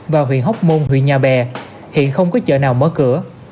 và huyện hóc môn huyện nhà bè hiện không có chợ nào mở cửa